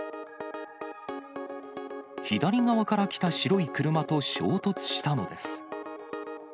左側から来た白い車と衝突したのです。